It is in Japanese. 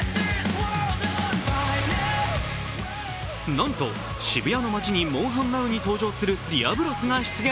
なんと渋谷の街に「モンハンＮｏｗ」に登場するディアブロスが出現